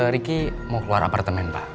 riki mau keluar apartemen pak